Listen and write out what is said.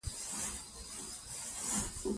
افغانستان د طبیعي زیرمې له پلوه متنوع دی.